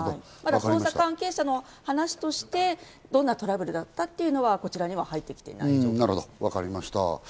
ただ捜査関係者の話として、どんなトラブルだったというのはこちらには入ってきていない状況です。